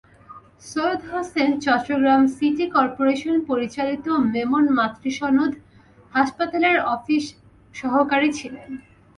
Syed Hossain Chittagong city corporation পরিচালিত মেমন মাতৃসদন হাসপাতালের অফিস সহকারী ছিলেন।